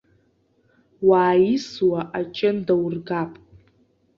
Уааисуа аҷын даургап!